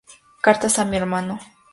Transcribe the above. Cartas a mi hermano.